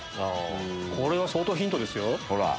これは相当ヒントですよ。